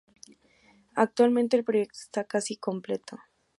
Actualmente, el proyecto está casi completo.